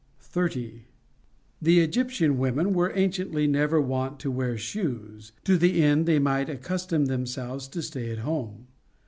30. The Egyptian women were anciently never wont to wear shoes, to the end they might accustom themselves to stay at home.